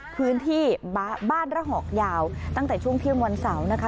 พื้นที่บ้านระหอกยาวตั้งแต่ช่วงเที่ยงวันเสาร์นะคะ